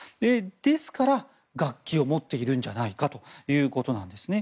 ですから楽器を持っているんじゃないかということなんですね。